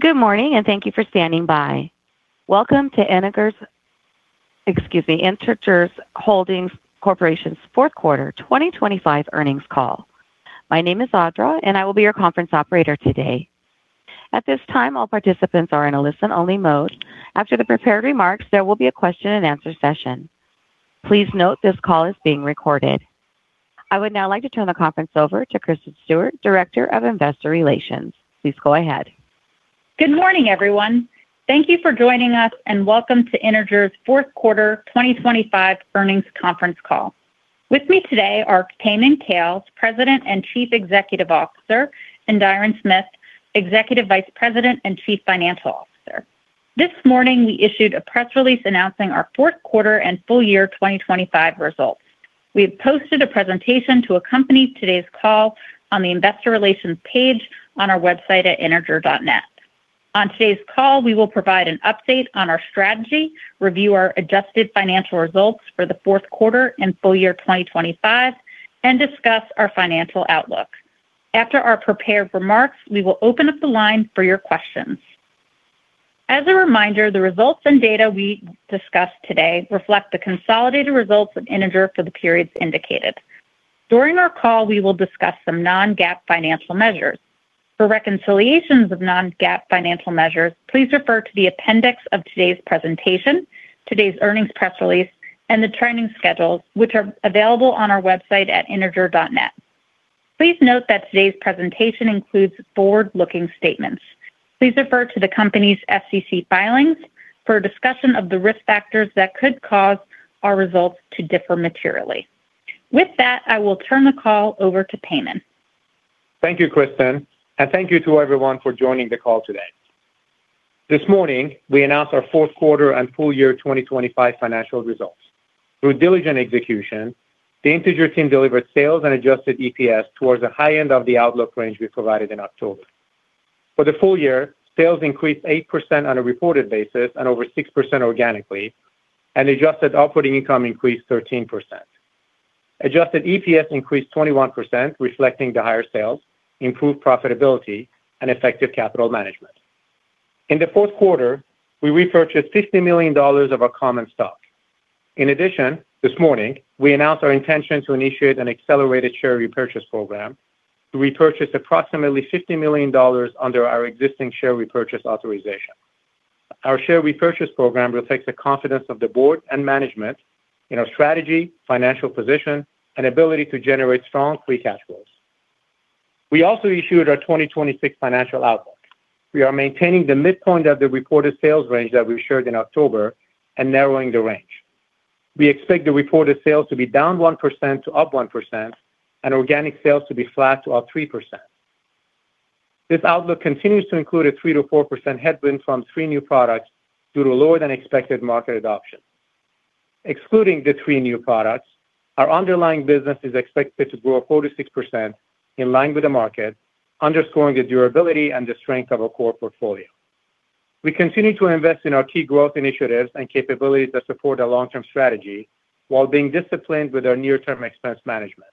Good morning, and thank you for standing by. Welcome to Energous, excuse me, Integer Holdings Corporation's fourth quarter 2025 earnings call. My name is Audra, and I will be your conference operator today. At this time, all participants are in a listen-only mode. After the prepared remarks, there will be a question-and-answer session. Please note this call is being recorded. I would now like to turn the conference over to Kristen Stewart, Director of Investor Relations. Please go ahead. Good morning, everyone. Thank you for joining us, and welcome to Integer's fourth quarter 2025 earnings conference call. With me today are Payman Khales, President and Chief Executive Officer, and Diron Smith, Executive Vice President and Chief Financial Officer. This morning, we issued a press release announcing our fourth quarter and full year 2025 results. We have posted a presentation to accompany today's call on the Investor Relations page on our website at integer.net. On today's call, we will provide an update on our strategy, review our adjusted financial results for the fourth quarter and full year 2025, and discuss our financial outlook. After our prepared remarks, we will open up the line for your questions. As a reminder, the results and data we discuss today reflect the consolidated results of Integer for the periods indicated. During our call, we will discuss some non-GAAP financial measures. For reconciliations of non-GAAP financial measures, please refer to the appendix of today's presentation, today's earnings press release, and the training schedule, which are available on our website at integer.net. Please note that today's presentation includes forward-looking statements. Please refer to the company's SEC filings for a discussion of the risk factors that could cause our results to differ materially. With that, I will turn the call over to Payman. Thank you, Kristen, and thank you to everyone for joining the call today. This morning, we announced our fourth quarter and full year 2025 financial results. Through diligent execution, the Integer team delivered sales and Adjusted EPS towards the high end of the outlook range we provided in October. For the full year, sales increased 8% on a reported basis and over 6% organically, and Adjusted operating income increased 13%. Adjusted EPS increased 21%, reflecting the higher sales, improved profitability, and effective capital management. In the fourth quarter, we repurchased $50 million of our common stock. In addition, this morning, we announced our intention to initiate an accelerated share repurchase program to repurchase approximately $50 million under our existing share repurchase authorization. Our share repurchase program reflects the confidence of the board and management in our strategy, financial position, and ability to generate strong free cash flows. We also issued our 2026 financial outlook. We are maintaining the midpoint of the reported sales range that we shared in October and narrowing the range. We expect the reported sales to be down 1% to up 1% and organic sales to be flat to up 3%. This outlook continues to include a 3%-4% headwind from three new products due to lower-than-expected market adoption. Excluding the three new products, our underlying business is expected to grow 4%-6% in line with the market, underscoring the durability and the strength of our core portfolio. We continue to invest in our key growth initiatives and capabilities that support our long-term strategy while being disciplined with our near-term expense management.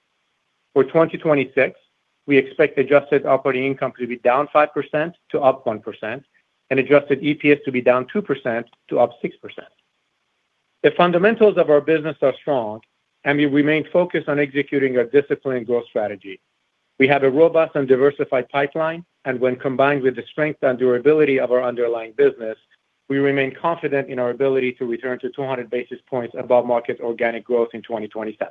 For 2026, we expect adjusted operating income to be down 5% to up 1% and Adjusted EPS to be down 2% to up 6%. The fundamentals of our business are strong, and we remain focused on executing our disciplined growth strategy. We have a robust and diversified pipeline, and when combined with the strength and durability of our underlying business, we remain confident in our ability to return to 200 basis points above-market organic growth in 2027.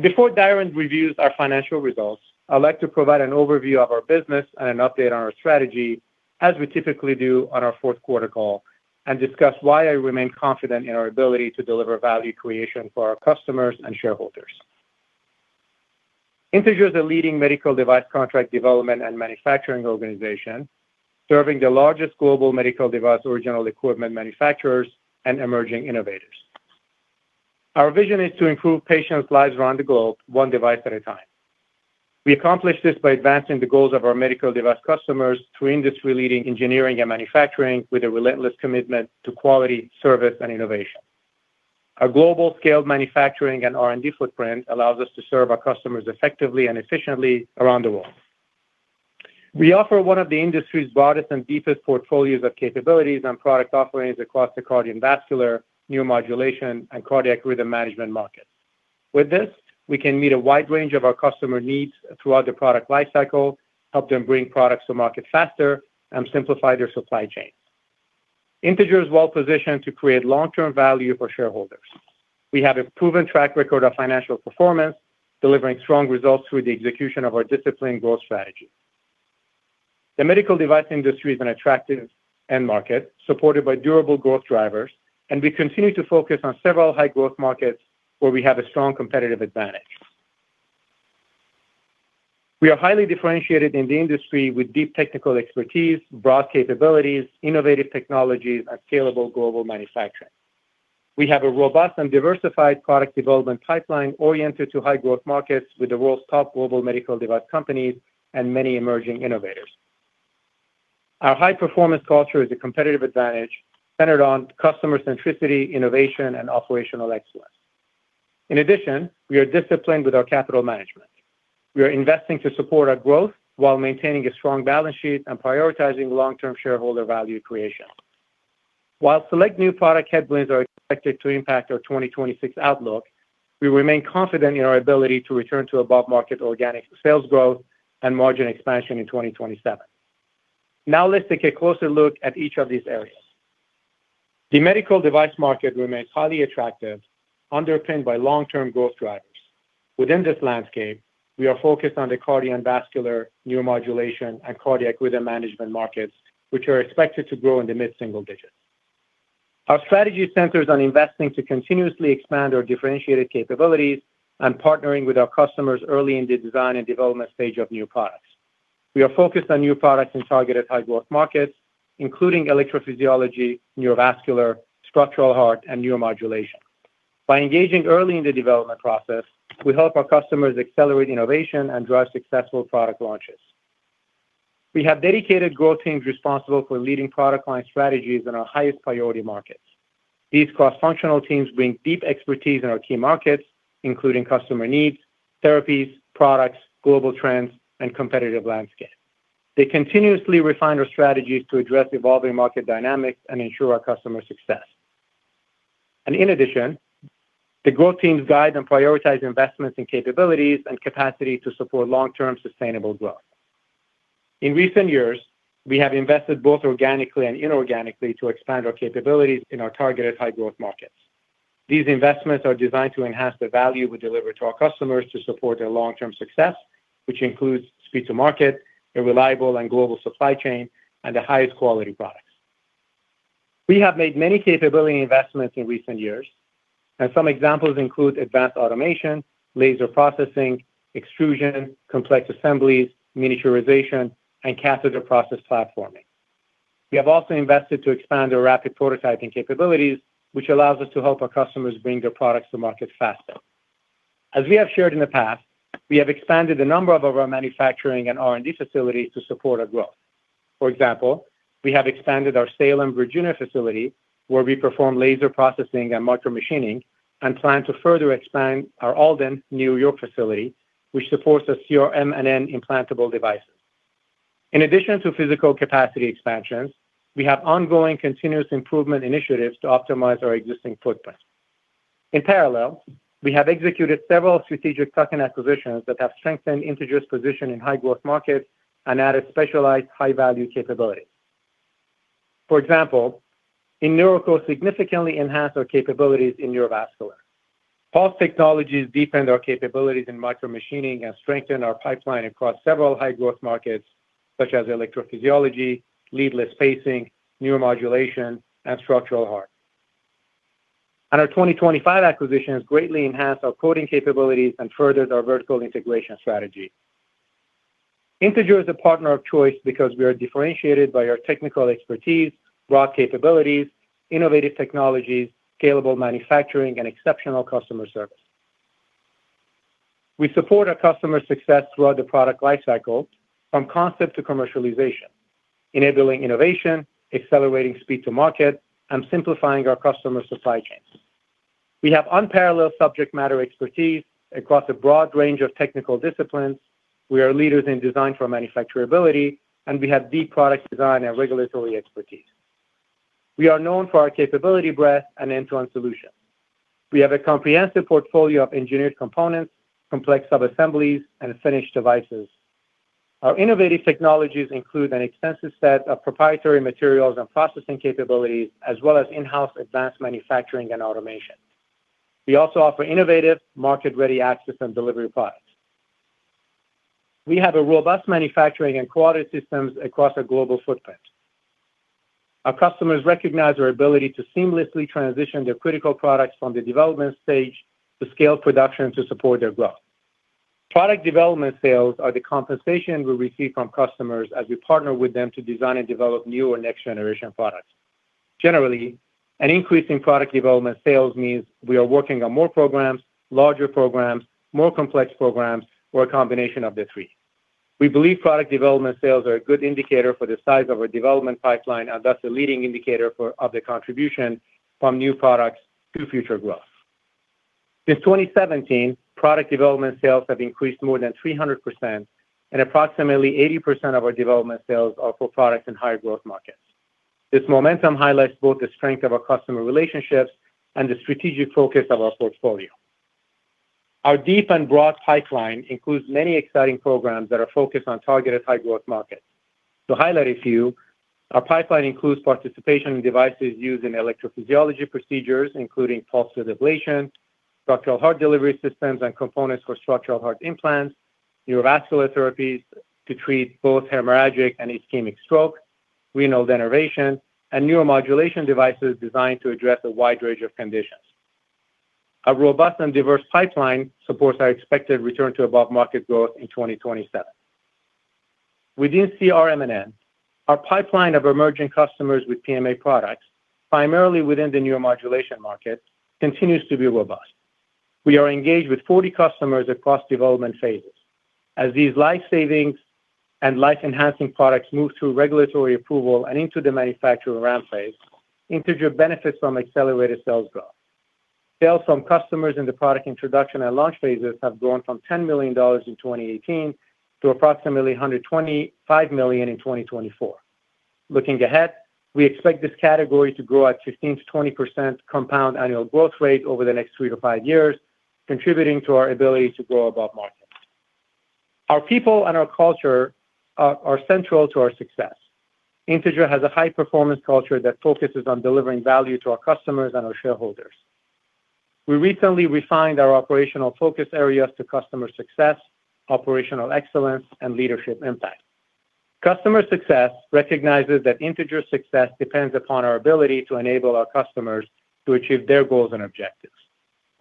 Before Diron reviews our financial results, I'd like to provide an overview of our business and an update on our strategy, as we typically do on our fourth quarter call, and discuss why I remain confident in our ability to deliver value creation for our customers and shareholders. Integer is a leading medical device contract development and manufacturing organization, serving the largest global medical device, original equipment manufacturers, and emerging innovators. Our vision is to improve patients' lives around the globe, one device at a time. We accomplish this by advancing the goals of our medical device customers through industry-leading engineering and manufacturing with a relentless commitment to quality, service, and innovation. Our global scaled manufacturing and R&D footprint allows us to serve our customers effectively and efficiently around the world. We offer one of the industry's broadest and deepest portfolios of capabilities and product offerings across the cardiovascular, neuromodulation, and cardiac rhythm management markets. With this, we can meet a wide range of our customer needs throughout the product lifecycle, help them bring products to market faster, and simplify their supply chain. Integer is well positioned to create long-term value for shareholders. We have a proven track record of financial performance, delivering strong results through the execution of our disciplined growth strategy. The medical device industry is an attractive end market, supported by durable growth drivers, and we continue to focus on several high-growth markets where we have a strong competitive advantage. We are highly differentiated in the industry with deep technical expertise, broad capabilities, innovative technologies, and scalable global manufacturing. We have a robust and diversified product development pipeline oriented to high-growth markets with the world's top global medical device companies and many emerging innovators. Our high-performance culture is a competitive advantage centered on customer centricity, innovation, and operational excellence.... In addition, we are disciplined with our capital management. We are investing to support our growth while maintaining a strong balance sheet and prioritizing long-term shareholder value creation. While select new product headwinds are expected to impact our 2026 outlook, we remain confident in our ability to return to above-market organic sales growth and margin expansion in 2027. Now, let's take a closer look at each of these areas. The medical device market remains highly attractive, underpinned by long-term growth drivers. Within this landscape, we are focused on the cardiovascular, neuromodulation, and cardiac rhythm management markets, which are expected to grow in the mid-single digits. Our strategy centers on investing to continuously expand our differentiated capabilities and partnering with our customers early in the design and development stage of new products. We are focused on new products in targeted high-growth markets, including electrophysiology, neurovascular, structural heart, and neuromodulation. By engaging early in the development process, we help our customers accelerate innovation and drive successful product launches. We have dedicated growth teams responsible for leading product line strategies in our highest priority markets. These cross-functional teams bring deep expertise in our key markets, including customer needs, therapies, products, global trends, and competitive landscape. They continuously refine our strategies to address evolving market dynamics and ensure our customer success. And in addition, the growth teams guide and prioritize investments in capabilities and capacity to support long-term sustainable growth. In recent years, we have invested both organically and inorganically to expand our capabilities in our targeted high-growth markets. These investments are designed to enhance the value we deliver to our customers to support their long-term success, which includes speed to market, a reliable and global supply chain, and the highest quality products. We have made many capability investments in recent years, and some examples include advanced automation, laser processing, extrusion, complex assemblies, miniaturization, and catheter process platforming. We have also invested to expand our rapid prototyping capabilities, which allows us to help our customers bring their products to market faster. As we have shared in the past, we have expanded the number of our manufacturing and R&D facilities to support our growth. For example, we have expanded our Salem, Virginia, facility, where we perform laser processing and micromachining, and plan to further expand our Alden, New York, facility, which supports the CRM&N implantable devices. In addition to physical capacity expansions, we have ongoing continuous improvement initiatives to optimize our existing footprint. In parallel, we have executed several strategic tuck-in acquisitions that have strengthened Integer's position in high-growth markets and added specialized high-value capabilities. For example, InNeuroCo significantly enhanced our capabilities in neurovascular. Pulse Technologies deepened our capabilities in micromachining and strengthened our pipeline across several high-growth markets, such as electrophysiology, leadless pacing, neuromodulation, and structural heart. Our 2025 acquisitions greatly enhanced our coating capabilities and furthered our vertical integration strategy. Integer is a partner of choice because we are differentiated by our technical expertise, broad capabilities, innovative technologies, scalable manufacturing, and exceptional customer service. We support our customers' success throughout the product lifecycle, from concept to commercialization, enabling innovation, accelerating speed to market, and simplifying our customers' supply chains. We have unparalleled subject matter expertise across a broad range of technical disciplines. We are leaders in design for manufacturability, and we have deep product design and regulatory expertise. We are known for our capability breadth and end-to-end solutions. We have a comprehensive portfolio of engineered components, complex subassemblies, and finished devices. Our innovative technologies include an extensive set of proprietary materials and processing capabilities, as well as in-house advanced manufacturing and automation. We also offer innovative, market-ready access and delivery products. We have a robust manufacturing and quality systems across our global footprint. Our customers recognize our ability to seamlessly transition their critical products from the development stage to scale production to support their growth. Product development sales are the compensation we receive from customers as we partner with them to design and develop new or next-generation products. Generally, an increase in product development sales means we are working on more programs, larger programs, more complex programs, or a combination of the three. We believe product development sales are a good indicator for the size of our development pipeline, and thus a leading indicator of the contribution from new products to future growth. Since 2017, product development sales have increased more than 300%, and approximately 80% of our development sales are for products in high-growth markets. This momentum highlights both the strength of our customer relationships and the strategic focus of our portfolio. Our deep and broad pipeline includes many exciting programs that are focused on targeted high-growth markets. To highlight a few, our pipeline includes participation in devices used in electrophysiology procedures, including pulse ablation, structural heart delivery systems, and components for structural heart implants, neurovascular therapies to treat both hemorrhagic and ischemic stroke, renal denervation, and neuromodulation devices designed to address a wide range of conditions. A robust and diverse pipeline supports our expected return to above-market growth in 2027. Within CRM&N, our pipeline of emerging customers with PMA products, primarily within the neuromodulation market, continues to be robust. We are engaged with 40 customers across development phases. As these life-saving and life-enhancing products move through regulatory approval and into the manufacturing ramp phase, Integer benefits from accelerated sales growth. Sales from customers in the product introduction and launch phases have grown from $10 million in 2018 to approximately $125 million in 2024. Looking ahead, we expect this category to grow at 15%-20% compound annual growth rate over the next 3-5 years, contributing to our ability to grow above market. Our people and our culture are central to our success. Integer has a high-performance culture that focuses on delivering value to our customers and our shareholders. We recently refined our operational focus areas to customer success, operational excellence, and leadership impact. Customer success recognizes that Integer's success depends upon our ability to enable our customers to achieve their goals and objectives.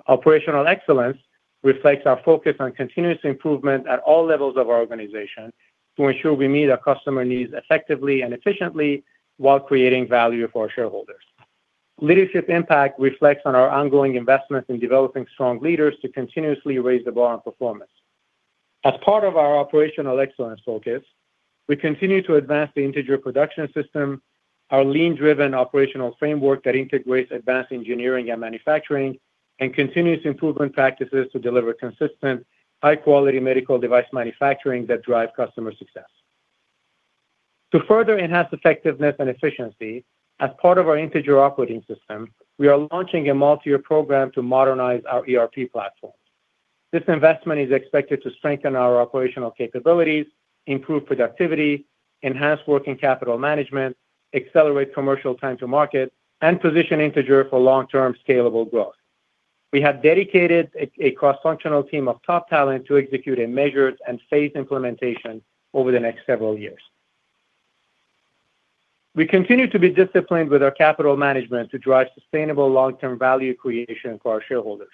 Operational excellence reflects our focus on continuous improvement at all levels of our organization, to ensure we meet our customer needs effectively and efficiently while creating value for our shareholders. Leadership impact reflects on our ongoing investments in developing strong leaders to continuously raise the bar on performance. As part of our operational excellence focus, we continue to advance the Integer Production System, our lean-driven operational framework that integrates advanced engineering and manufacturing, and continuous improvement practices to deliver consistent, high-quality medical device manufacturing that drives customer success. To further enhance effectiveness and efficiency, as part of our Integer operating system, we are launching a multi-year program to modernize our ERP platform. This investment is expected to strengthen our operational capabilities, improve productivity, enhance working capital management, accelerate commercial time to market, and position Integer for long-term scalable growth. We have dedicated a cross-functional team of top talent to execute a measured and phased implementation over the next several years. We continue to be disciplined with our capital management to drive sustainable long-term value creation for our shareholders.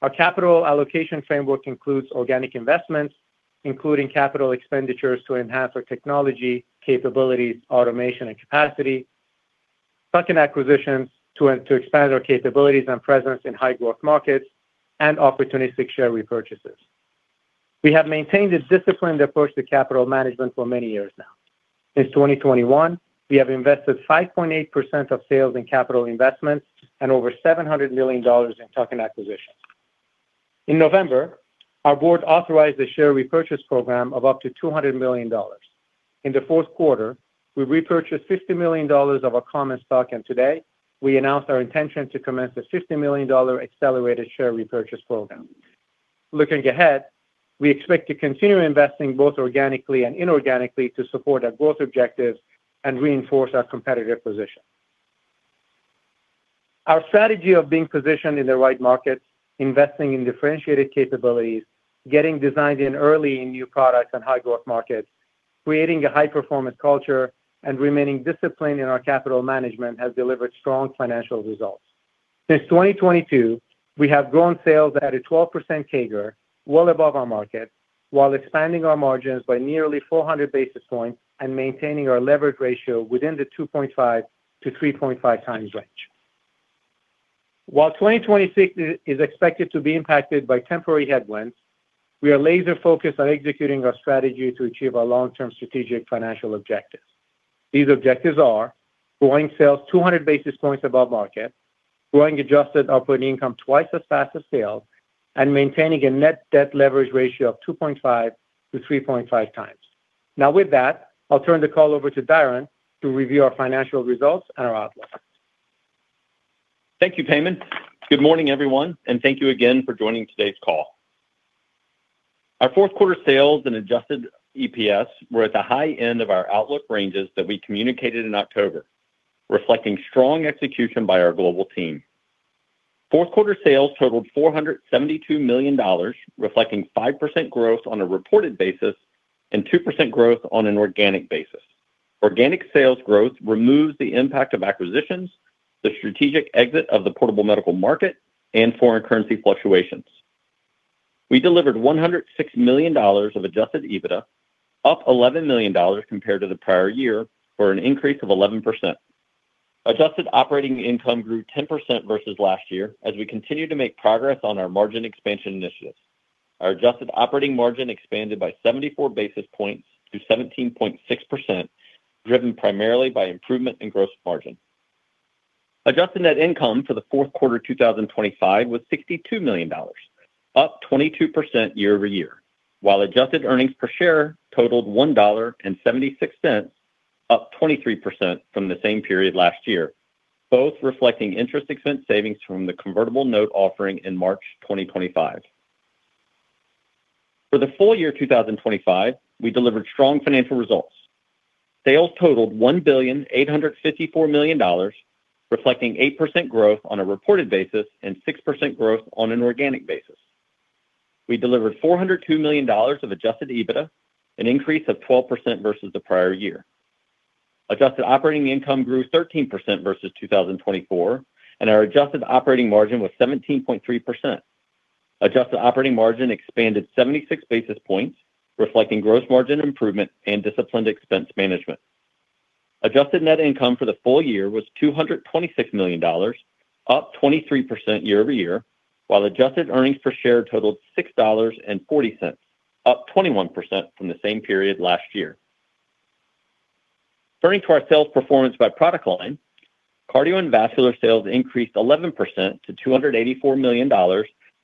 Our capital allocation framework includes organic investments, including capital expenditures to enhance our technology, capabilities, automation, and capacity, tuck-in acquisitions to expand our capabilities and presence in high-growth markets, and opportunistic share repurchases. We have maintained a disciplined approach to capital management for many years now. In 2021, we have invested 5.8% of sales in capital investments and over $700 million in tuck-in acquisitions. In November, our board authorized a share repurchase program of up to $200 million. In the fourth quarter, we repurchased $50 million of our common stock, and today we announced our intention to commence a $50 million accelerated share repurchase program. Looking ahead, we expect to continue investing both organically and inorganically to support our growth objectives and reinforce our competitive position. Our strategy of being positioned in the right markets, investing in differentiated capabilities, getting designed in early in new products and high-growth markets, creating a high-performance culture, and remaining disciplined in our capital management, has delivered strong financial results. Since 2022, we have grown sales at a 12% CAGR, well above our market, while expanding our margins by nearly 400 basis points and maintaining our leverage ratio within the 2.5-3.5 times range. While 2026 is expected to be impacted by temporary headwinds, we are laser focused on executing our strategy to achieve our long-term strategic financial objectives. These objectives are: growing sales 200 basis points above market, growing adjusted operating income twice as fast as sales, and maintaining a net debt leverage ratio of 2.5-3.5 times. Now, with that, I'll turn the call over to Diron to review our financial results and our outlook. Thank you, Payman. Good morning, everyone, and thank you again for joining today's call. Our fourth quarter sales and adjusted EPS were at the high end of our outlook ranges that we communicated in October, reflecting strong execution by our global team. Fourth quarter sales totaled $472 million, reflecting 5% growth on a reported basis and 2% growth on an organic basis. Organic sales growth removes the impact of acquisitions, the strategic exit of the portable medical market, and foreign currency fluctuations. We delivered $106 million of adjusted EBITDA, up $11 million compared to the prior year, for an increase of 11%. adjusted operating income grew 10% versus last year as we continue to make progress on our margin expansion initiatives. Our adjusted operating margin expanded by 74 basis points to 17.6%, driven primarily by improvement in gross margin. Adjusted net income for the fourth quarter 2025 was $62 million, up 22% year-over-year, while adjusted earnings per share totaled $1.76, up 23% from the same period last year, both reflecting interest expense savings from the convertible note offering in March 2025. For the full year 2025, we delivered strong financial results. Sales totaled $1.854 billion, reflecting 8% growth on a reported basis and 6% growth on an organic basis. We delivered $402 million of adjusted EBITDA, an increase of 12% versus the prior year. adjusted operating income grew 13% versus 2024, and our adjusted operating margin was 17.3%. Adjusted operating margin expanded 76 basis points, reflecting gross margin improvement and disciplined expense management.... Adjusted net income for the full year was $226 million, up 23% year over year, while adjusted earnings per share totaled $6.40, up 21% from the same period last year. Turning to our sales performance by product line, Cardio & Vascular sales increased 11% to $284 million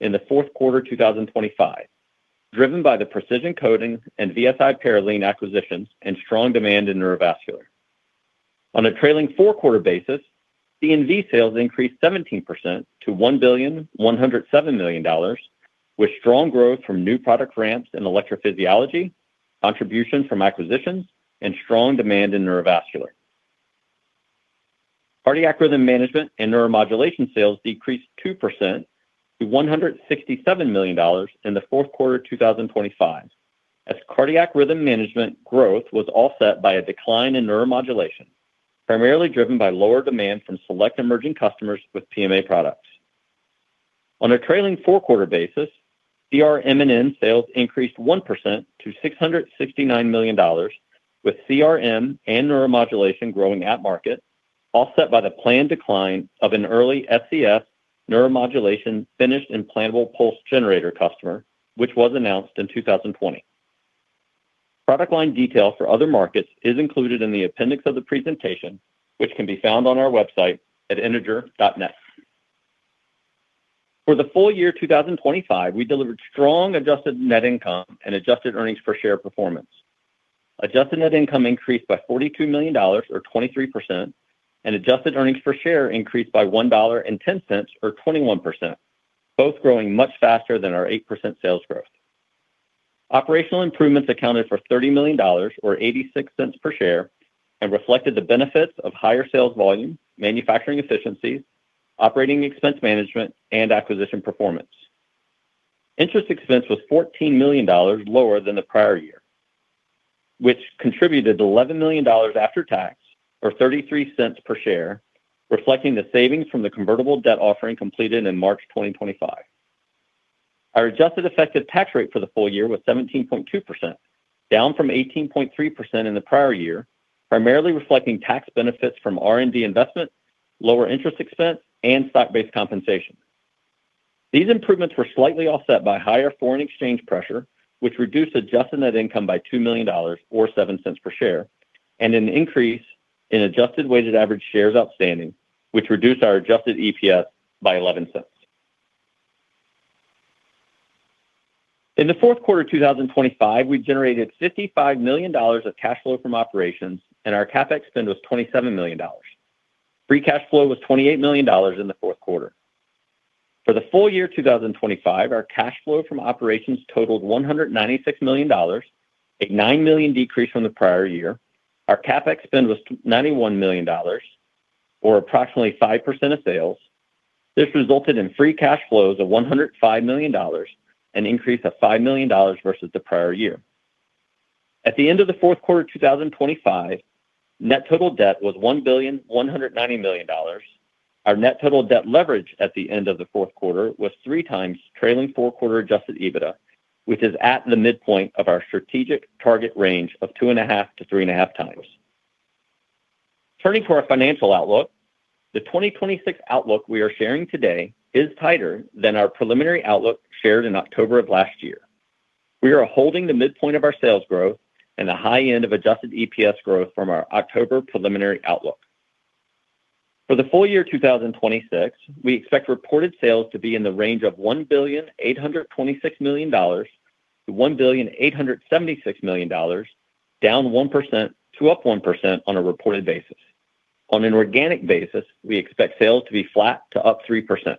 in the fourth quarter of 2025, driven by the Precision Coating and VSI Parylene acquisitions, and strong demand in neurovascular. On a trailing four-quarter basis, C&V sales increased 17% to $1,107 million, with strong growth from new product ramps in electrophysiology, contribution from acquisitions, and strong demand in neurovascular. Cardiac Rhythm Management & Neuromodulation sales decreased 2% to $167 million in the fourth quarter of 2025, as cardiac rhythm management growth was offset by a decline in neuromodulation, primarily driven by lower demand from select emerging customers with PMA products. On a trailing four-quarter basis, CRM&N sales increased 1% to $669 million, with CRM and neuromodulation growing at market, offset by the planned decline of an early SCS neuromodulation finished implantable pulse generator customer, which was announced in 2020. Product line detail for other markets is included in the appendix of the presentation, which can be found on our website at integer.net. For the full year 2025, we delivered strong Adjusted net income and adjusted earnings per share performance. Adjusted net income increased by $42 million or 23%, and adjusted earnings per share increased by $1.10, or 21%, both growing much faster than our 8% sales growth. Operational improvements accounted for $30 million, or $0.86 per share, and reflected the benefits of higher sales volume, manufacturing efficiencies, operating expense management, and acquisition performance. Interest expense was $14 million lower than the prior year, which contributed $11 million after tax, or $0.33 per share, reflecting the savings from the convertible debt offering completed in March 2025. Our adjusted effective tax rate for the full year was 17.2%, down from 18.3% in the prior year, primarily reflecting tax benefits from R&D investment, lower interest expense, and stock-based compensation. These improvements were slightly offset by higher foreign exchange pressure, which reduced Adjusted net income by $2 million, or $0.07 per share, and an increase in adjusted weighted average shares outstanding, which reduced our adjusted EPS by $0.11. In the fourth quarter of 2025, we generated $55 million of cash flow from operations, and our CapEx spend was $27 million. Free cash flow was $28 million in the fourth quarter. For the full year 2025, our cash flow from operations totaled $196 million, a $9 million decrease from the prior year. Our CapEx spend was $91 million, or approximately 5% of sales. This resulted in free cash flows of $105 million, an increase of $5 million versus the prior year. At the end of the fourth quarter of 2025, net total debt was $1.19 billion. Our net total debt leverage at the end of the fourth quarter was 3x trailing four-quarter adjusted EBITDA, which is at the midpoint of our strategic target range of 2.5x-3.5x. Turning to our financial outlook, the 2026 outlook we are sharing today is tighter than our preliminary outlook shared in October of last year. We are holding the midpoint of our sales growth and the high end of adjusted EPS growth from our October preliminary outlook. For the full year 2026, we expect reported sales to be in the range of $1,826 million-$1,876 million, down 1% to up 1% on a reported basis. On an organic basis, we expect sales to be flat to up 3%.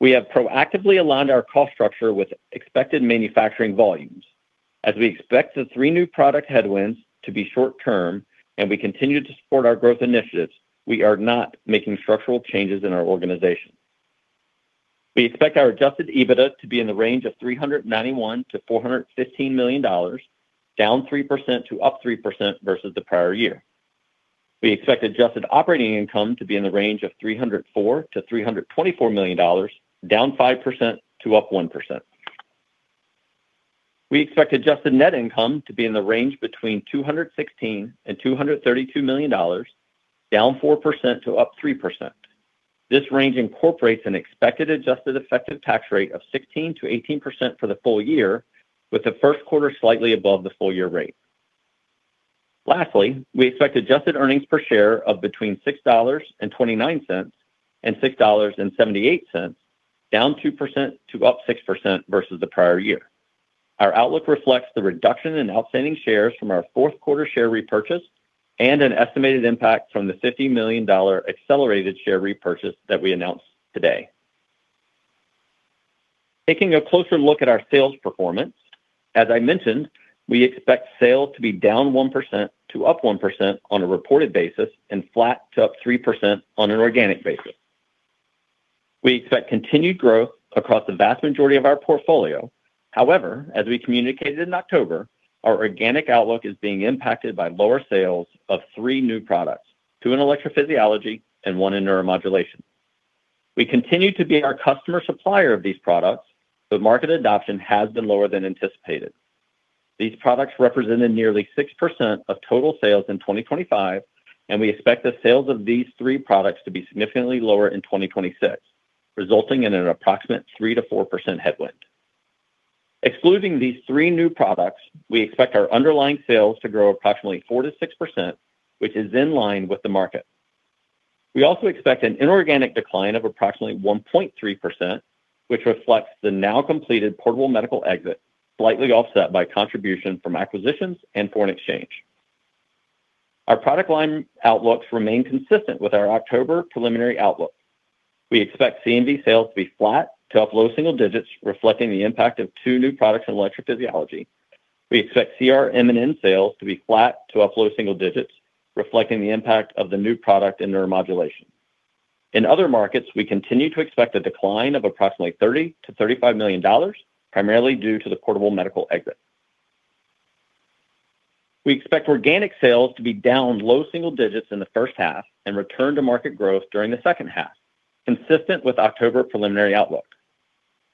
We have proactively aligned our cost structure with expected manufacturing volumes, as we expect the 3 new product headwinds to be short term and we continue to support our growth initiatives; we are not making structural changes in our organization. We expect our adjusted EBITDA to be in the range of $391 million-$415 million, down 3% to up 3% versus the prior year. We expect adjusted operating income to be in the range of $304 million-$324 million, down 5% to up 1%. We expect Adjusted net income to be in the range between $216 million and $232 million, down 4% to up 3%. This range incorporates an expected adjusted effective tax rate of 16%-18% for the full year, with the first quarter slightly above the full year rate. Lastly, we expect adjusted earnings per share of between $6.29 and $6.78, down 2% to up 6% versus the prior year. Our outlook reflects the reduction in outstanding shares from our fourth quarter share repurchase and an estimated impact from the $50 million accelerated share repurchase that we announced today. Taking a closer look at our sales performance, as I mentioned, we expect sales to be down 1% to up 1% on a reported basis and flat to up 3% on an organic basis. We expect continued growth across the vast majority of our portfolio. However, as we communicated in October, our organic outlook is being impacted by lower sales of three new products, two in electrophysiology and one in neuromodulation.... We continue to be our customer supplier of these products, but market adoption has been lower than anticipated. These products represented nearly 6% of total sales in 2025, and we expect the sales of these three products to be significantly lower in 2026, resulting in an approximate 3%-4% headwind. Excluding these three new products, we expect our underlying sales to grow approximately 4%-6%, which is in line with the market. We also expect an inorganic decline of approximately 1.3%, which reflects the now completed portable medical exit, slightly offset by contribution from acquisitions and foreign exchange. Our product line outlooks remain consistent with our October preliminary outlook. We expect C&V sales to be flat to up low single digits, reflecting the impact of 2 new products in electrophysiology. We expect CRM&N sales to be flat to up low single digits, reflecting the impact of the new product in neuromodulation. In other markets, we continue to expect a decline of approximately $30 million-$35 million, primarily due to the portable medical exit. We expect organic sales to be down low single digits in the first half and return to market growth during the second half, consistent with October preliminary outlook.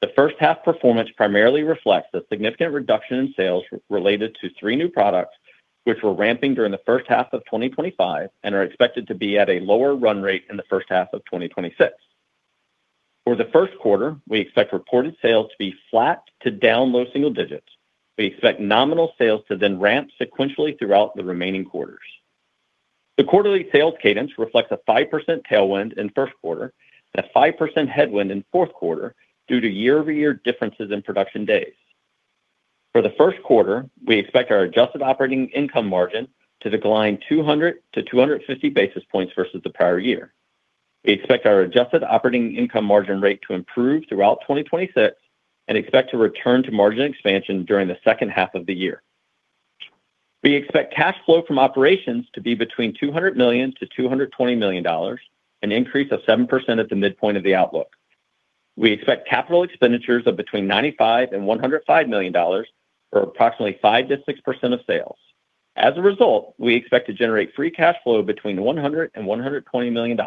The first half performance primarily reflects a significant reduction in sales related to three new products, which were ramping during the first half of 2025 and are expected to be at a lower run rate in the first half of 2026. For the first quarter, we expect reported sales to be flat to down low single digits. We expect nominal sales to then ramp sequentially throughout the remaining quarters. The quarterly sales cadence reflects a 5% tailwind in first quarter and a 5% headwind in fourth quarter due to year-over-year differences in production days. For the first quarter, we expect our adjusted operating income margin to decline 200-250 basis points versus the prior year. We expect our adjusted operating income margin rate to improve throughout 2026 and expect to return to margin expansion during the second half of the year. We expect cash flow from operations to be between $200 million-$220 million, an increase of 7% at the midpoint of the outlook. We expect capital expenditures of between $95 million-$105 million, or approximately 5%-6% of sales. As a result, we expect to generate free cash flow between $100 million-$120 million,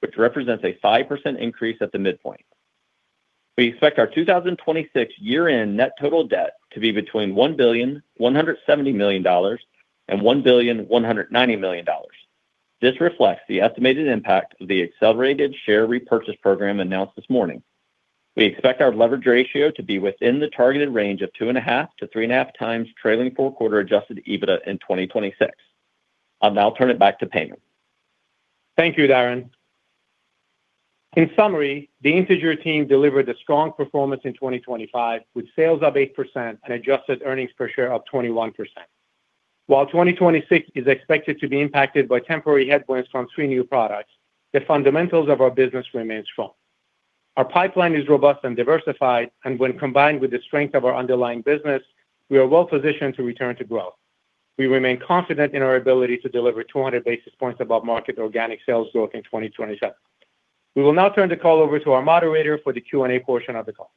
which represents a 5% increase at the midpoint. We expect our 2026 year-end net total debt to be between $1.17 billion and $1.19 billion. This reflects the estimated impact of the accelerated share repurchase program announced this morning. We expect our leverage ratio to be within the targeted range of 2.5x-3.5x trailing four-quarter adjusted EBITDA in 2026. I'll now turn it back to Payman. Thank you, Diron. In summary, the Integer team delivered a strong performance in 2025, with sales up 8% and adjusted earnings per share up 21%. While 2026 is expected to be impacted by temporary headwinds from three new products, the fundamentals of our business remain strong. Our pipeline is robust and diversified, and when combined with the strength of our underlying business, we are well positioned to return to growth. We remain confident in our ability to deliver 200 basis points above market organic sales growth in 2027. We will now turn the call over to our moderator for the Q&A portion of the call.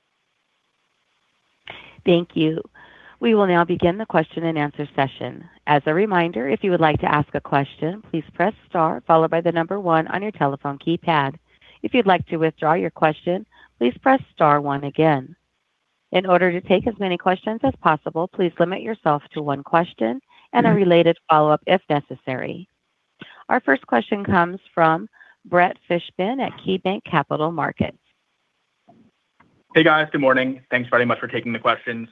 Thank you. We will now begin the question-and-answer session. As a reminder, if you would like to ask a question, please press star followed by the number one on your telephone keypad. If you'd like to withdraw your question, please press star one again. In order to take as many questions as possible, please limit yourself to one question and a related follow-up if necessary. Our first question comes from Brett Fishbin at KeyBanc Capital Markets. Hey, guys. Good morning. Thanks very much for taking the questions.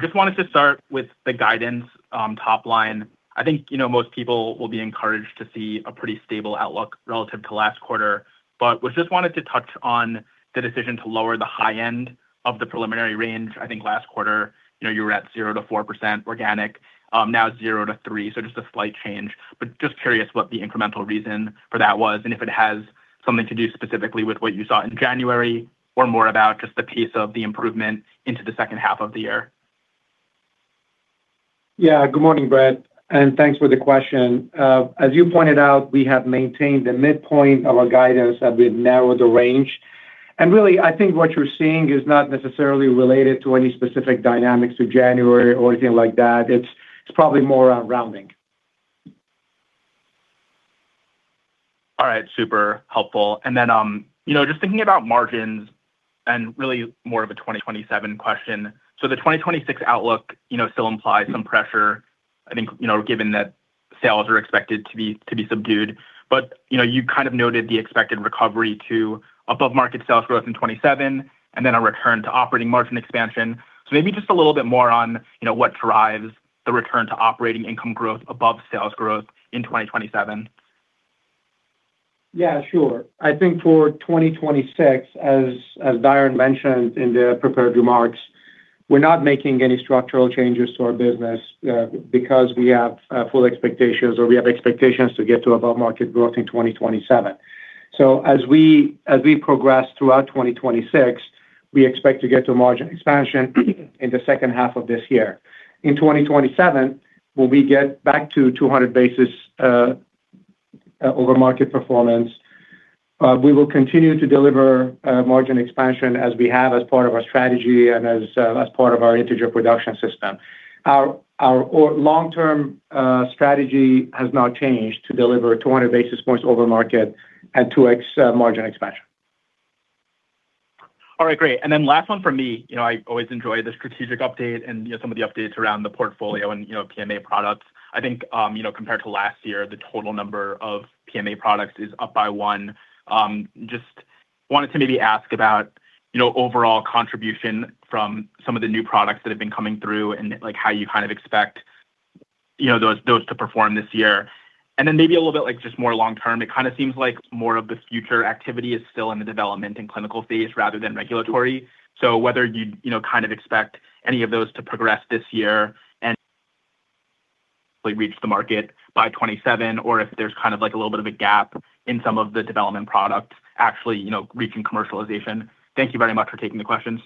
Just wanted to start with the guidance, top line. I think, you know, most people will be encouraged to see a pretty stable outlook relative to last quarter, but we just wanted to touch on the decision to lower the high end of the preliminary range. I think last quarter, you know, you were at 0%-4% organic, now 0%-3%, so just a slight change. But just curious what the incremental reason for that was, and if it has something to do specifically with what you saw in January, or more about just the pace of the improvement into the second half of the year. Yeah. Good morning, Brett, and thanks for the question. As you pointed out, we have maintained the midpoint of our guidance as we narrow the range. Really, I think what you're seeing is not necessarily related to any specific dynamics to January or anything like that. It's, it's probably more around rounding. All right. Super helpful. Then, you know, just thinking about margins and really more of a 2027 question. So the 2026 outlook, you know, still implies some pressure, I think, you know, given that sales are expected to be subdued. But, you know, you kind of noted the expected recovery to above-market sales growth in 2027 and then a return to operating margin expansion. So maybe just a little bit more on, you know, what drives the return to operating income growth above sales growth in 2027. Yeah, sure. I think for 2026, as Diron mentioned in the prepared remarks, we're not making any structural changes to our business, because we have full expectations or we have expectations to get to above-market growth in 2027. So as we progress throughout 2026, we expect to get to margin expansion in the second half of this year. In 2027, when we get back to 200 basis over market performance, we will continue to deliver margin expansion as we have as part of our strategy and as part of our Integer Production System. Our long-term strategy has not changed to deliver 200 basis points over market and 2x margin expansion. All right, great. And then last one for me. You know, I always enjoy the strategic update and, you know, some of the updates around the portfolio and, you know, PMA products. I think, you know, compared to last year, the total number of PMA products is up by one. Just wanted to maybe ask about, you know, overall contribution from some of the new products that have been coming through, and, like, how you kind of expect, you know, those, those to perform this year. And then maybe a little bit, like, just more long term, it kind of seems like more of the future activity is still in the development and clinical phase rather than regulatory. So whether you'd, you know, kind of expect any of those to progress this year and reach the market by 2027, or if there's kind of, like, a little bit of a gap in some of the development product, actually, you know, reaching commercialization? Thank you very much for taking the questions.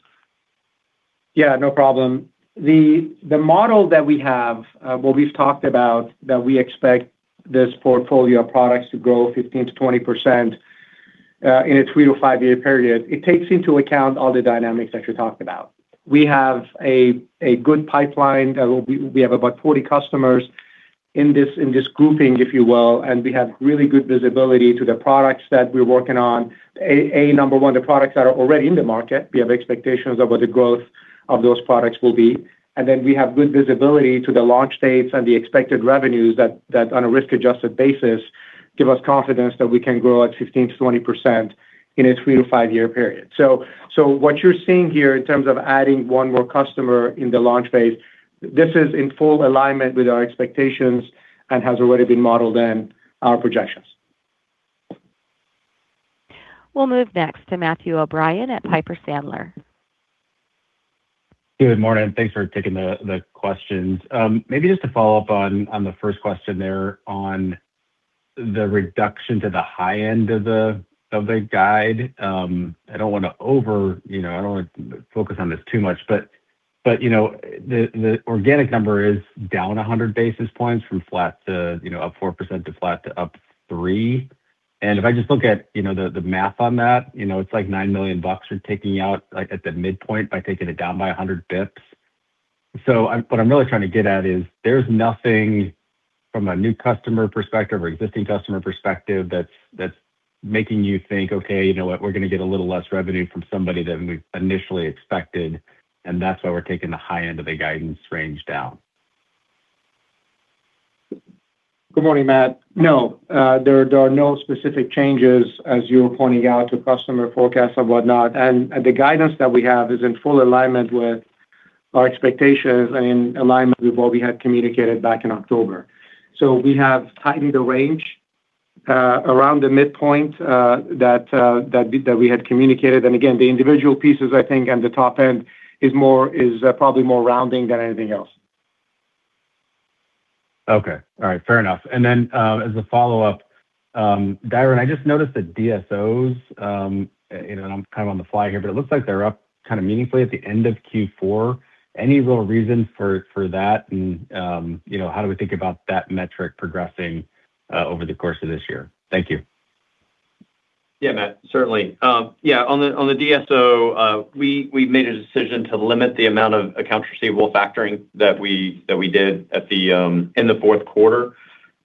Yeah, no problem. The model that we have, what we've talked about, that we expect this portfolio of products to grow 15%-20% in a 3-5-year period, it takes into account all the dynamics that you talked about. We have a good pipeline. We have about 40 customers in this grouping, if you will, and we have really good visibility to the products that we're working on. Number one, the products that are already in the market, we have expectations of what the growth of those products will be, and then we have good visibility to the launch dates and the expected revenues that on a risk-adjusted basis give us confidence that we can grow at 15%-20% in a 3-5-year period. What you're seeing here in terms of adding one more customer in the launch phase. This is in full alignment with our expectations and has already been modeled in our projections. We'll move next to Matthew O'Brien at Piper Sandler. Good morning, thanks for taking the questions. Maybe just to follow up on the first question there on the reduction to the high end of the guide. I don't want to over—you know, I don't want to focus on this too much, but you know, the organic number is down 100 basis points from flat to, you know, up 4% to flat to up 3%. And if I just look at, you know, the math on that, you know, it's like $9 million you're taking out, like, at the midpoint by taking it down by 100 basis points. So what I'm really trying to get at is, there's nothing from a new customer perspective or existing customer perspective that's making you think, "Okay, you know what? We're going to get a little less revenue from somebody than we initially expected, and that's why we're taking the high end of the guidance range down. Good morning, Matt. No, there are no specific changes, as you're pointing out, to customer forecasts or whatnot, and the guidance that we have is in full alignment with our expectations and in alignment with what we had communicated back in October. So we have tightened the range around the midpoint that we had communicated. And again, the individual pieces, I think, and the top end is more is probably more rounding than anything else. Okay. All right, fair enough. And then, as a follow-up, Diron, I just noticed that DSOs, you know, and I'm kind of on the fly here, but it looks like they're up kind of meaningfully at the end of Q4. Any real reason for, for that? And, you know, how do we think about that metric progressing, over the course of this year? Thank you. Yeah, Matt, certainly. Yeah, on the DSO, we made a decision to limit the amount of accounts receivable factoring that we did in the fourth quarter.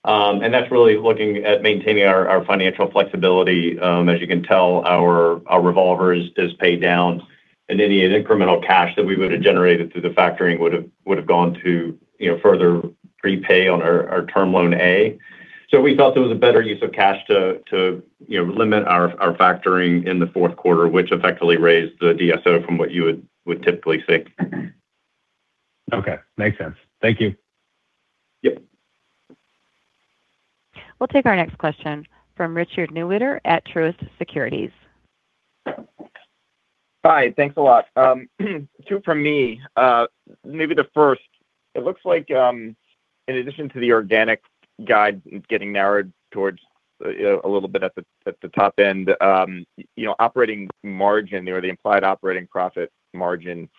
And that's really looking at maintaining our financial flexibility. As you can tell, our revolver is paid down, and any incremental cash that we would have generated through the factoring would've gone to, you know, further prepay on our term loan A. So we thought there was a better use of cash to, you know, limit our factoring in the fourth quarter, which effectively raised the DSO from what you would typically see. Okay, makes sense. Thank you. Yep. We'll take our next question from Richard Newitter at Truist Securities. Hi, thanks a lot. Two from me. Maybe the first. It looks like, in addition to the organic guide getting narrowed towards, you know, a little bit at the, at the top end, you know, operating margin or the implied operating profit margin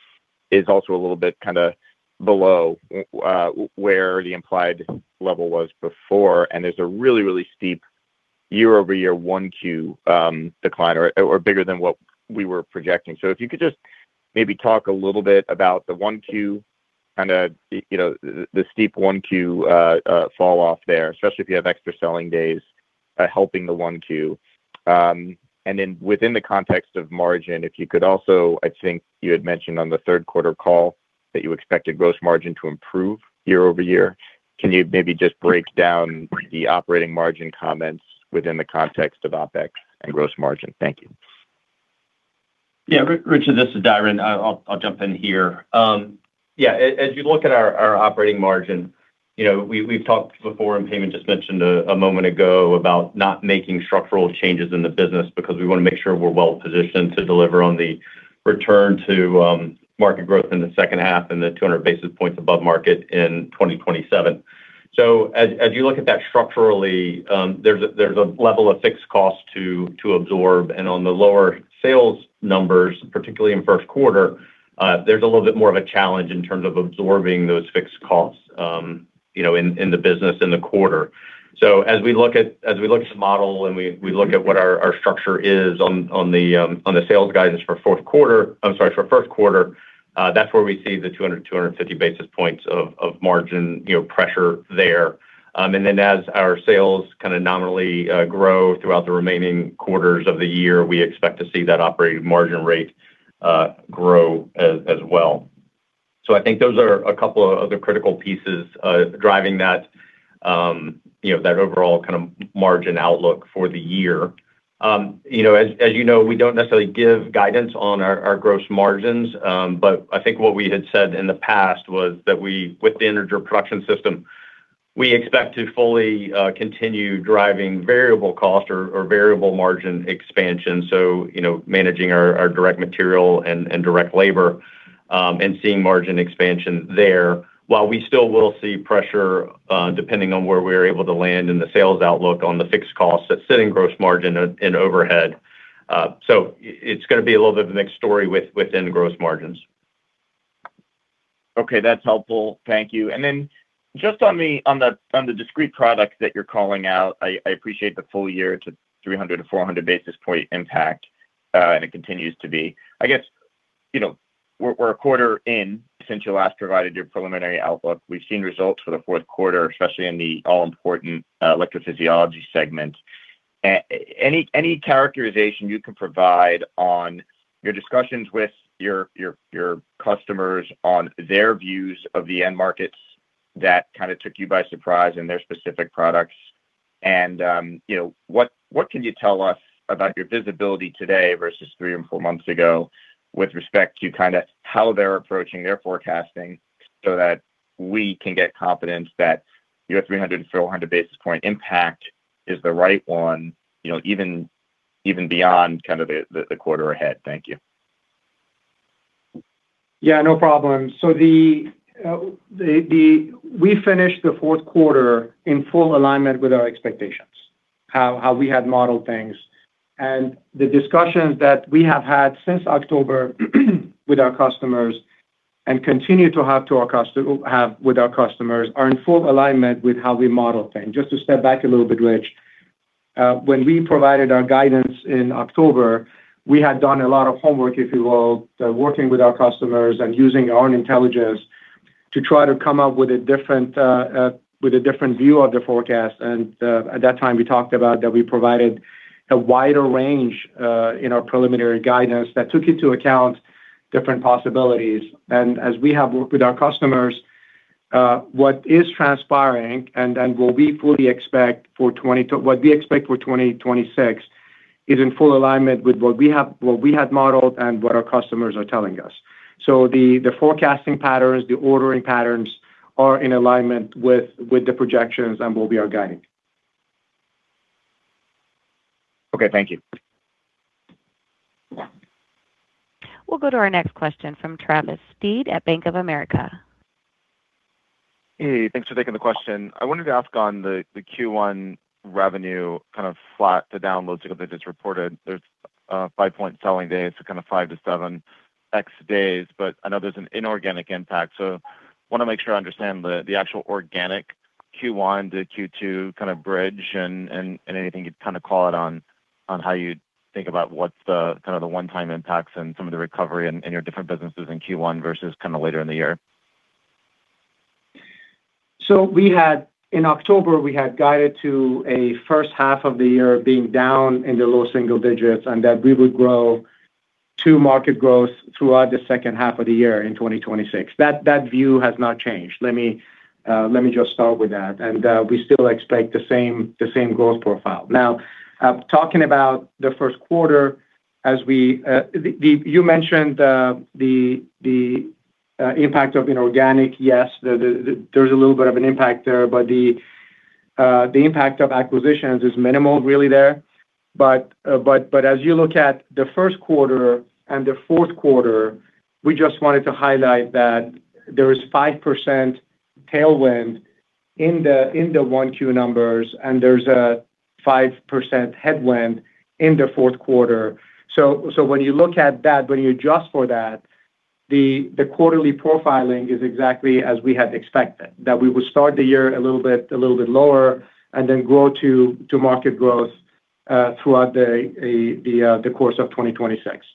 is also a little bit kind of below, where the implied level was before. There's a really, really steep year-over-year 1Q decline or, or bigger than what we were projecting. So if you could just maybe talk a little bit about the 1Q kind of, you know, the steep 1Q fall off there, especially if you have extra selling days helping the 1Q. And then within the context of margin, if you could also, I think you had mentioned on the third quarter call that you expected gross margin to improve year-over-year. Can you maybe just break down the operating margin comments within the context of OpEx and gross margin? Thank you. Yeah, Richard, this is Diron. I'll jump in here. Yeah, as you look at our operating margin, you know, we've talked before, and Payman just mentioned a moment ago, about not making structural changes in the business because we want to make sure we're well positioned to deliver on the return to market growth in the second half and the 200 basis points above market in 2027. So as you look at that structurally, there's a level of fixed cost to absorb, and on the lower sales numbers, particularly in first quarter, there's a little bit more of a challenge in terms of absorbing those fixed costs, you know, in the business in the quarter.... So as we look at, as we look at the model and we, we look at what our, our structure is on, on the, on the sales guidance for fourth quarter, I'm sorry, for first quarter, that's where we see the 250 basis points of, of margin, you know, pressure there. And then as our sales kind of nominally, grow throughout the remaining quarters of the year, we expect to see that operating margin rate, grow as, as well. So I think those are a couple of other critical pieces, driving that, you know, that overall kind of margin outlook for the year. You know, as you know, we don't necessarily give guidance on our gross margins, but I think what we had said in the past was that we—with the Integer Production System, we expect to fully continue driving variable cost or variable margin expansion. So, you know, managing our direct material and direct labor, and seeing margin expansion there, while we still will see pressure, depending on where we're able to land in the sales outlook on the fixed cost, that's sitting gross margin and overhead. So it's gonna be a little bit of a mixed story within the gross margins. Okay, that's helpful. Thank you. And then just on the discrete products that you're calling out, I appreciate the full year 300-400 basis point impact, and it continues to be. I guess, you know, we're a quarter in since you last provided your preliminary outlook. We've seen results for the fourth quarter, especially in the all-important electrophysiology segment. Any characterization you can provide on your discussions with your customers on their views of the end markets that kind of took you by surprise in their specific products? You know, what can you tell us about your visibility today versus three or four months ago with respect to kind of how they're approaching their forecasting so that we can get confidence that your 300-400 basis point impact is the right one, you know, even beyond kind of the quarter ahead? Thank you. Yeah, no problem. So we finished the fourth quarter in full alignment with our expectations, how we had modeled things. And the discussions that we have had since October, with our customers and continue to have with our customers, are in full alignment with how we model things. Just to step back a little bit, Rich. When we provided our guidance in October, we had done a lot of homework, if you will, working with our customers and using our own intelligence to try to come up with a different view of the forecast. And at that time, we talked about that we provided a wider range in our preliminary guidance that took into account different possibilities. As we have worked with our customers, what is transpiring and what we fully expect for 2026 is in full alignment with what we had modeled and what our customers are telling us. So the forecasting patterns, the ordering patterns are in alignment with the projections and what we are guiding. Okay, thank you. We'll go to our next question from Travis Steed at Bank of America. Hey, thanks for taking the question. I wanted to ask on the Q1 revenue, kind of flat to down loads that just reported. There's 5-point selling days, so kind of 5-7 x days, but I know there's an inorganic impact. So want to make sure I understand the actual organic Q1 to Q2 kind of bridge and anything you'd kind of call it on, on how you think about what's the kind of the one-time impacts and some of the recovery in your different businesses in Q1 versus kind of later in the year. So we had in October, we had guided to a first half of the year being down in the low single digits, and that we would grow to market growth throughout the second half of the year in 2026. That view has not changed. Let me just start with that, and we still expect the same growth profile. Now, talking about the first quarter, as you mentioned, the impact of inorganic. Yes, there's a little bit of an impact there, but the impact of acquisitions is minimal really there. But as you look at the first quarter and the fourth quarter, we just wanted to highlight that there is 5% tailwind in the 1Q numbers, and there's a 5% headwind in the fourth quarter. So when you look at that, when you adjust for that, the quarterly profiling is exactly as we had expected, that we would start the year a little bit lower, and then grow to market growth throughout the course of 2026.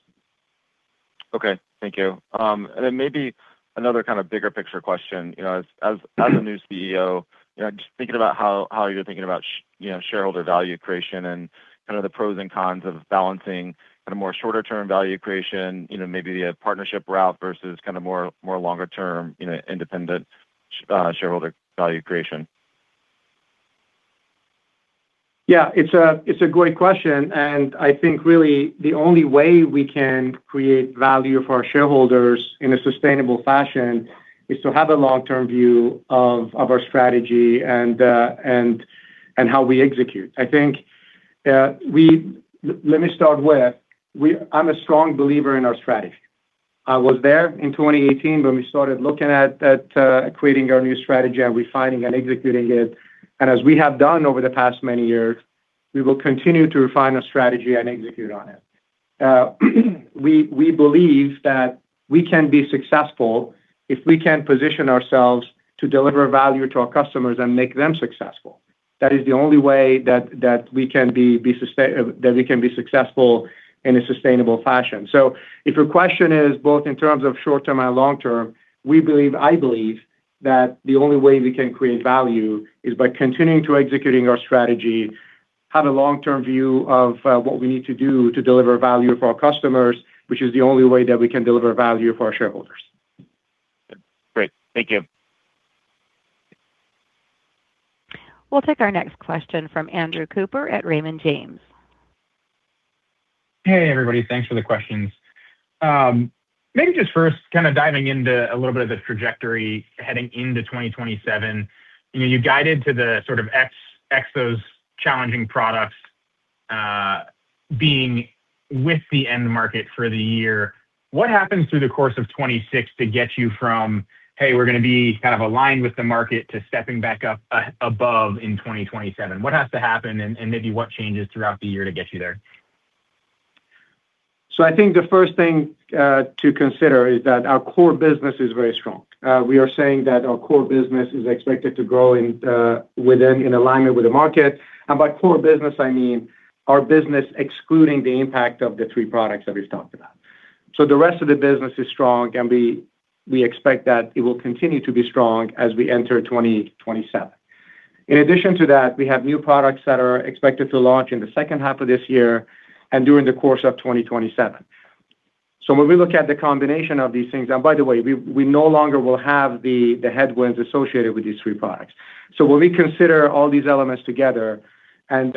Okay. Thank you. And then maybe another kind of bigger picture question. You know, as a new CEO, you know, just thinking about how you're thinking about you know, shareholder value creation and kind of the pros and cons of balancing at a more shorter term value creation, you know, maybe a partnership route versus kind of more longer term, you know, independent shareholder value creation. Yeah, it's a great question, and I think really the only way we can create value for our shareholders in a sustainable fashion is to have a long-term view of our strategy and how we execute. I think, let me start with, I'm a strong believer in our strategy. I was there in 2018 when we started looking at creating our new strategy and refining and executing it. And as we have done over the past many years, we will continue to refine our strategy and execute on it. We believe that we can be successful if we can position ourselves to deliver value to our customers and make them successful. That is the only way that we can be successful in a sustainable fashion. If your question is both in terms of short term and long term, we believe, I believe, that the only way we can create value is by continuing to executing our strategy, have a long-term view of what we need to do to deliver value for our customers, which is the only way that we can deliver value for our shareholders. Great. Thank you. We'll take our next question from Andrew Cooper at Raymond James. Hey, everybody. Thanks for the questions. Maybe just first kind of diving into a little bit of the trajectory heading into 2027. You know, you guided to the sort of exit those challenging products being with the end market for the year. What happens through the course of 2026 to get you from, "Hey, we're gonna be kind of aligned with the market," to stepping back up above in 2027? What has to happen, and maybe what changes throughout the year to get you there? So I think the first thing to consider is that our core business is very strong. We are saying that our core business is expected to grow in alignment with the market. And by core business, I mean our business excluding the impact of the three products that we've talked about. So the rest of the business is strong, and we, we expect that it will continue to be strong as we enter 2027. In addition to that, we have new products that are expected to launch in the second half of this year and during the course of 2027. So when we look at the combination of these things... And by the way, we, we no longer will have the, the headwinds associated with these three products. So when we consider all these elements together and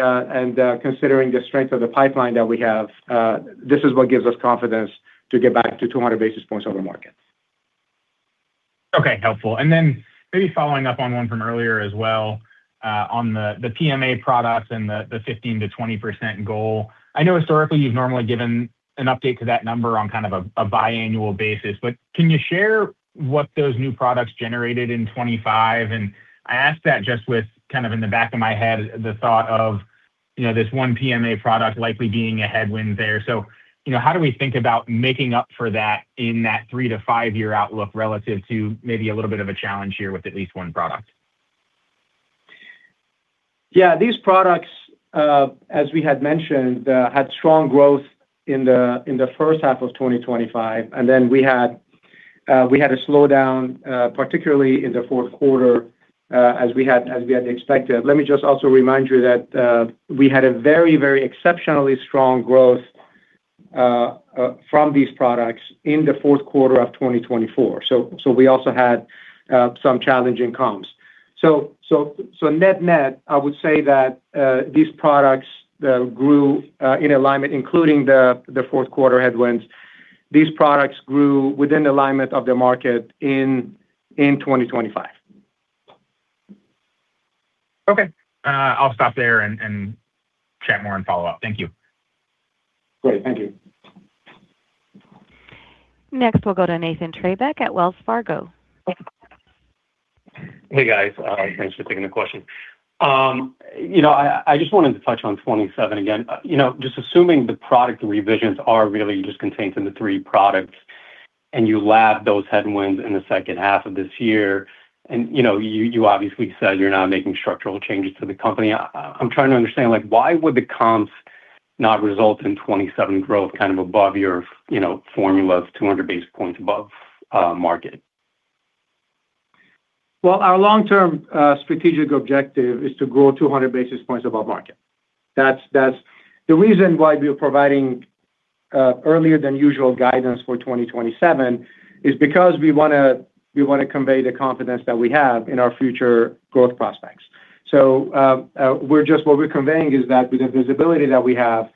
considering the strength of the pipeline that we have, this is what gives us confidence to get back to 200 basis points over market. Okay, helpful. And then maybe following up on one from earlier as well, on the PMA products and the 15%-20% goal. I know historically you've normally given an update to that number on kind of a biannual basis, but can you share what those new products generated in 2025? And I ask that just with kind of in the back of my head, the thought of, you know, this one PMA product likely being a headwind there. So, you know, how do we think about making up for that in that 3-5-year outlook, relative to maybe a little bit of a challenge here with at least one product? Yeah, these products, as we had mentioned, had strong growth in the first half of 2025, and then we had a slowdown, particularly in the fourth quarter, as we had expected. Let me just also remind you that we had a very, very exceptionally strong growth from these products in the fourth quarter of 2024. So we also had some challenging comps. So, net-net, I would say that these products grew in alignment, including the fourth quarter headwinds. These products grew within the alignment of the market in 2025. Okay. I'll stop there and, and chat more in follow-up. Thank you. Great. Thank you. Next, we'll go to Nathan Trebeck at Wells Fargo. Hey, guys. Thanks for taking the question. You know, I just wanted to touch on 2027 again. You know, just assuming the product revisions are really just contained in the three products, and you lap those headwinds in the second half of this year, and, you know, you obviously said you're not making structural changes to the company. I'm trying to understand, like, why would the comps not result in 2027 growth kind of above your, you know, formula of 200 basis points above market? Well, our long-term strategic objective is to grow 200 basis points above market. That's, that's... The reason why we are providing earlier than usual guidance for 2027 is because we wanna convey the confidence that we have in our future growth prospects. So, we're just, what we're conveying is that with the visibility that we have,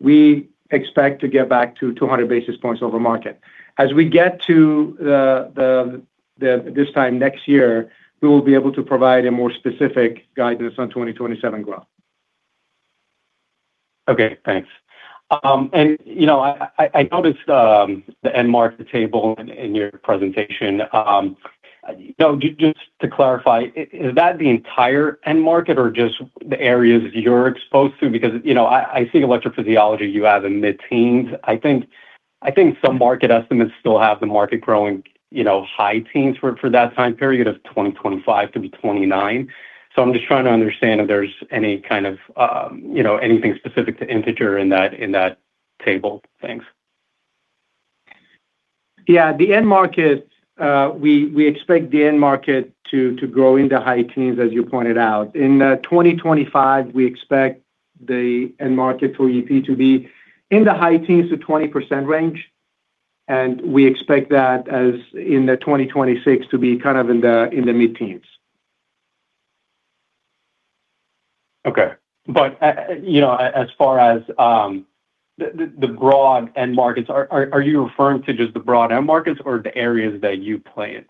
we expect to get back to 200 basis points over market. As we get to this time next year, we will be able to provide a more specific guidance on 2027 growth. Okay, thanks. And, you know, I noticed the end market table in your presentation. So just to clarify, is that the entire end market or just the areas you're exposed to? Because, you know, I see electrophysiology, you have in mid-teens. I think some market estimates still have the market growing, you know, high teens for that time period of 2025 to 2029. So I'm just trying to understand if there's any kind of, you know, anything specific to Integer in that table. Thanks. Yeah, the end market, we expect the end market to grow in the high teens, as you pointed out. In 2025, we expect the end market for EP to be in the high teens to 20% range, and we expect that in 2026 to be kind of in the mid-teens. Okay. But you know, as far as the broad end markets, are you referring to just the broad end markets or the areas that you play in?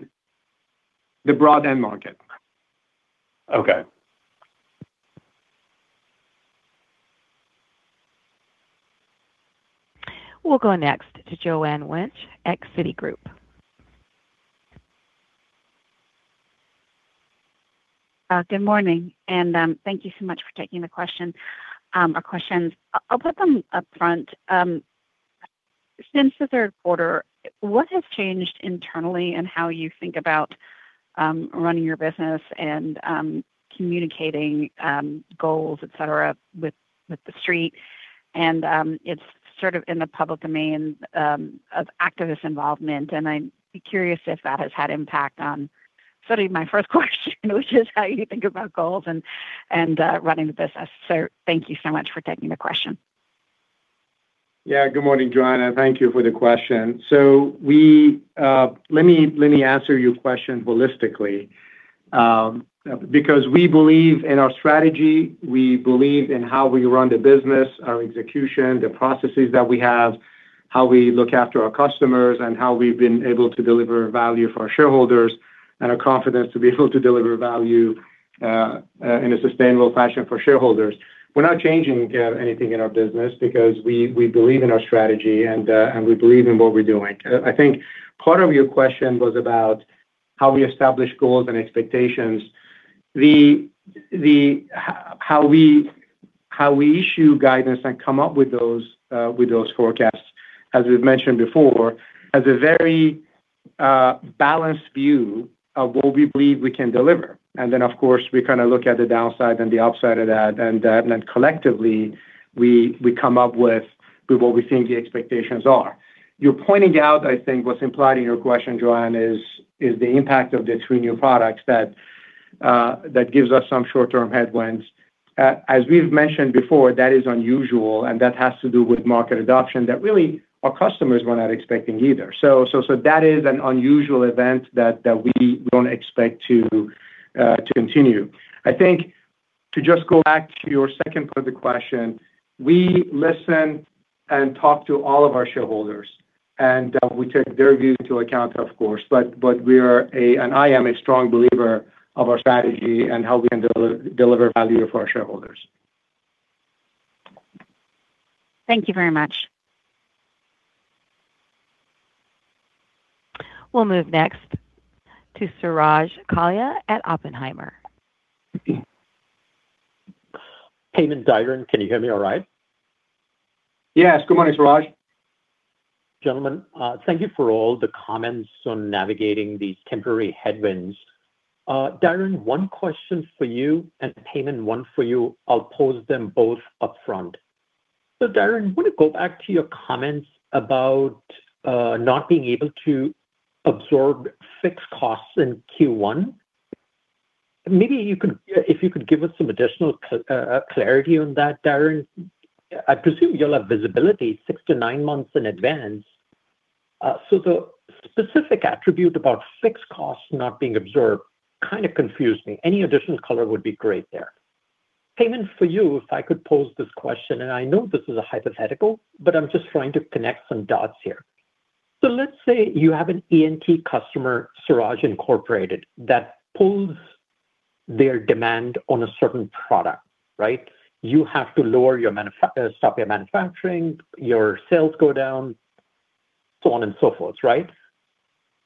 The broad end market. Okay. We'll go next to Joanne Wuensch, from Citigroup.... Good morning, and thank you so much for taking the question or questions. I'll put them upfront. Since the third quarter, what has changed internally in how you think about running your business and communicating goals, et cetera, with the street? And it's sort of in the public domain of activist involvement, and I'd be curious if that has had impact on studying my first question, which is how you think about goals and running the business. So thank you so much for taking the question. Yeah, good morning, Joanna. Thank you for the question. So we—let me, let me answer your question holistically. Because we believe in our strategy, we believe in how we run the business, our execution, the processes that we have, how we look after our customers, and how we've been able to deliver value for our shareholders, and our confidence to be able to deliver value, in a sustainable fashion for shareholders. We're not changing, anything in our business because we, we believe in our strategy and, and we believe in what we're doing. I think part of your question was about how we establish goals and expectations. How we issue guidance and come up with those, with those forecasts, as we've mentioned before, has a very, balanced view of what we believe we can deliver. Then, of course, we kinda look at the downside and the upside of that, and then collectively, we come up with what we think the expectations are. You're pointing out, I think what's implied in your question, Joanne, is the impact of the three new products that gives us some short-term headwinds. As we've mentioned before, that is unusual, and that has to do with market adoption that really our customers were not expecting either. So that is an unusual event that we don't expect to continue. I think to just go back to your second part of the question, we listen and talk to all of our shareholders, and we take their views into account, of course. But we are a, and I am a strong believer of our strategy and how we can deliver value for our shareholders. Thank you very much. We'll move next to Suraj Kalia at Oppenheimer. Hey, Payman, Diron, can you hear me all right? Yes. Good morning, Suraj. Gentlemen, thank you for all the comments on navigating these temporary headwinds. Diron, one question for you, and Payman, one for you. I'll pose them both upfront. So, Diron, I want to go back to your comments about not being able to absorb fixed costs in Q1. Maybe you could give us some additional clarity on that, Diron. I presume you'll have visibility six to nine months in advance. So the specific attribute about fixed costs not being absorbed kind of confused me. Any additional color would be great there. Payman, for you, if I could pose this question, and I know this is a hypothetical, but I'm just trying to connect some dots here. So let's say you have an ENT customer, Suraj Incorporated, that pulls their demand on a certain product, right? You have to lower your manufacturing, stop your manufacturing, your sales go down, so on and so forth, right?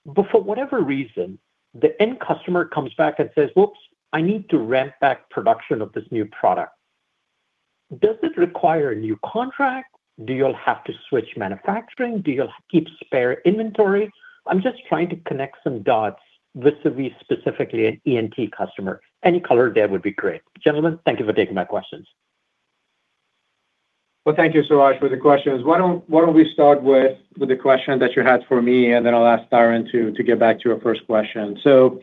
But for whatever reason, the end customer comes back and says, "Oops, I need to ramp back production of this new product." Does this require a new contract? Do you all have to switch manufacturing? Do you keep spare inventory? I'm just trying to connect some dots vis-a-vis, specifically an ENT customer. Any color there would be great. Gentlemen, thank you for taking my questions. Well, thank you, Suraj, for the questions. Why don't we start with the question that you had for me, and then I'll ask Diron to get back to your first question. So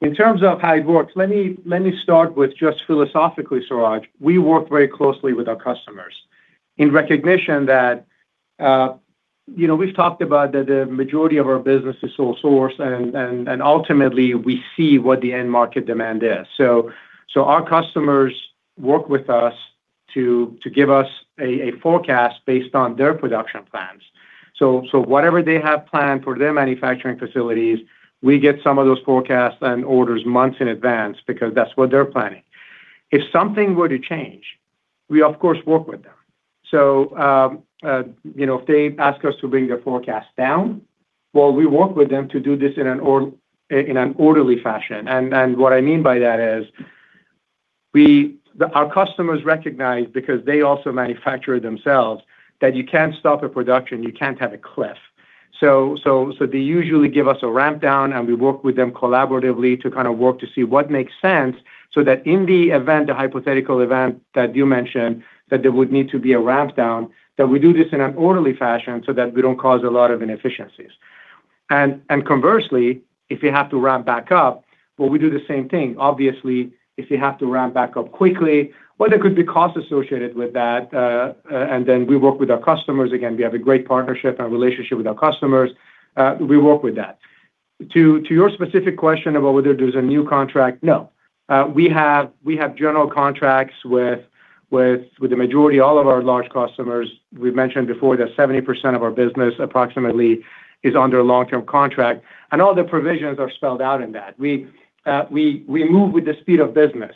in terms of how it works, let me start with just philosophically, Suraj, we work very closely with our customers. In recognition that, you know, we've talked about that the majority of our business is sole source, and ultimately, we see what the end market demand is. So our customers work with us to give us a forecast based on their production plans. So whatever they have planned for their manufacturing facilities, we get some of those forecasts and orders months in advance because that's what they're planning. If something were to change, we of course work with them. So, you know, if they ask us to bring their forecast down, well, we work with them to do this in an orderly fashion. And what I mean by that is, our customers recognize because they also manufacture themselves that you can't stop a production, you can't have a cliff. So they usually give us a ramp down, and we work with them collaboratively to kind of work to see what makes sense, so that in the event, the hypothetical event that you mentioned, that there would need to be a ramp down, that we do this in an orderly fashion so that we don't cause a lot of inefficiencies. And conversely, if you have to ramp back up, well, we do the same thing. Obviously, if you have to ramp back up quickly, well, there could be costs associated with that, and then we work with our customers. Again, we have a great partnership and relationship with our customers. We work with that. To your specific question about whether there's a new contract, no. We have general contracts with the majority, all of our large customers. We've mentioned before that 70% of our business approximately is under a long-term contract, and all the provisions are spelled out in that. We move with the speed of business,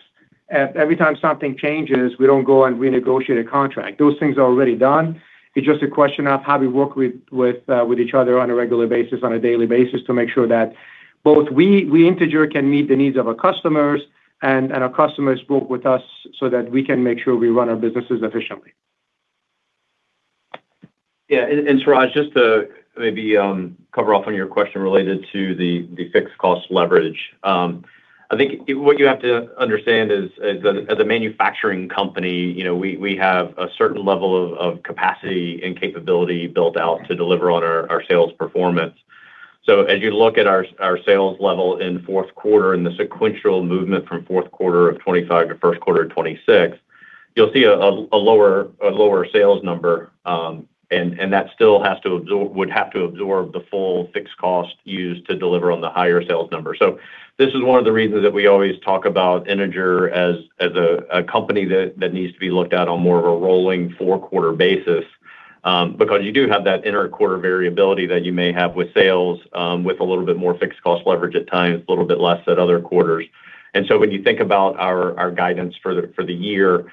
and every time something changes, we don't go and renegotiate a contract. Those things are already done. It's just a question of how we work with each other on a regular basis, on a daily basis, to make sure that both we, Integer, can meet the needs of our customers, and our customers work with us so that we can make sure we run our businesses efficiently. Yeah, and Suraj, just to maybe cover off on your question related to the fixed cost leverage. I think what you have to understand is, as a manufacturing company, you know, we have a certain level of capacity and capability built out to deliver on our sales performance. So as you look at our sales level in fourth quarter and the sequential movement from fourth quarter of 2025 to first quarter of 2026, you'll see a lower sales number, and that still has to absorb—would have to absorb the full fixed cost used to deliver on the higher sales number. So this is one of the reasons that we always talk about Integer as a company that needs to be looked at on more of a rolling four-quarter basis, because you do have that interquarter variability that you may have with sales, with a little bit more fixed cost leverage at times, a little bit less at other quarters. And so when you think about our guidance for the year,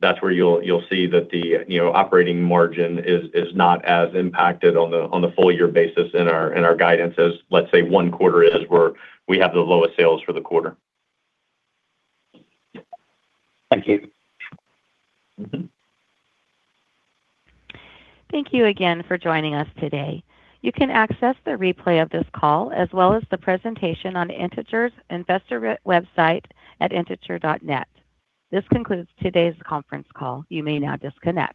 that's where you'll see that the, you know, operating margin is not as impacted on the full year basis in our guidance as, let's say, one quarter is, where we have the lowest sales for the quarter. Thank you. Mm-hmm. Thank you again for joining us today. You can access the replay of this call, as well as the presentation on Integer's investor relations website at integer.net. This concludes today's conference call. You may now disconnect.